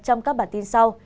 trong các bản tin sau